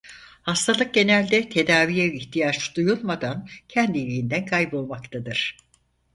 Hastalık genelde tedaviye ihtiyaç duyulmadan kendiliğinden kaybolmaktadır.